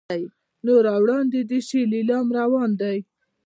نو را وړاندې دې شي لیلام روان دی.